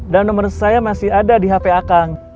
dan nomer saya masih ada di hp akang